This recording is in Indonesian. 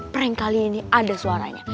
prank kali ini ada suaranya